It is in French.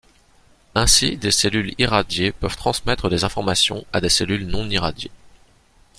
Ainsi des cellules irradiées peuvent transmettre des informations à des cellules non irradiées.